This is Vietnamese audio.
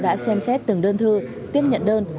đã xem xét từng đơn thư tiếp nhận đơn